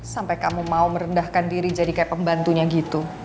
sampai kamu mau merendahkan diri jadi kayak pembantunya gitu